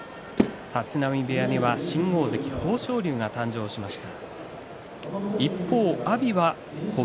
立浪部屋には新大関豊昇龍が誕生しました。